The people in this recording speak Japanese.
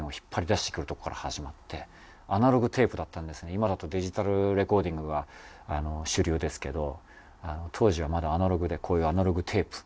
今だとデジタルレコーディングが主流ですけど当時はまだアナログでこういうアナログテープ。